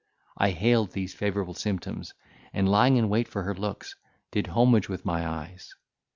I hailed these favourable symptoms, and, lying in wait for her looks, did homage with my eyes.